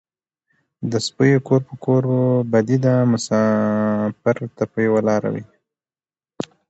ـ د سپيو کور په کور بدي ده مسافر ته په يوه لار وي.